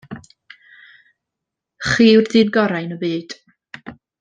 Chi yw'r dyn gorau yn y byd.